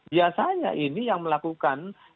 biasanya ini yang melakukan